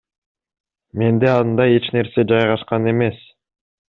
Менде андай эч нерсе жайгашкан эмес.